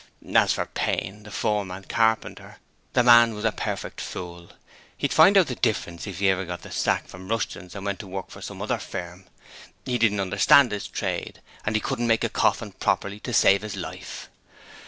As for Payne, the foreman carpenter, the man was a perfect fool: he'd find out the difference if ever he got the sack from Rushton's and went to work for some other firm! He didn't understand his trade, and he couldn't make a coffin properly to save 'is life!